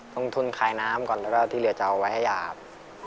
ลงทุนขายน้ำก่อนแล้วก็ที่เหลือจะเอาไว้ให้ย่าครับ